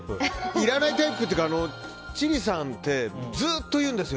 いらないタイプというか千里さんってずっと言うんですよ。